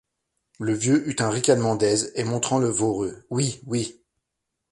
Le vieux eut un ricanement d’aise, et montrant le Voreux :— Oui, oui…